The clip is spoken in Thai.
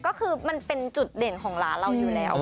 ก็คือมันเป็นจุดเด่นของร้านเราอยู่แล้ว